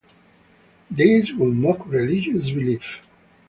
These would mock religious belief.